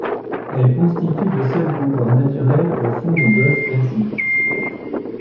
Elle constitue le seul bon port naturel au fond du golfe Persique.